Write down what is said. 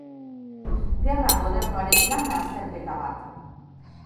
Gerra modernoaren landa-azterketa bat.